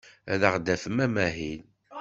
Ad aɣ-d-afen amahil.